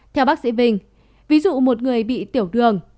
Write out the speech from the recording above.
theo bác sĩ vinh ví dụ một người bị tiểu đường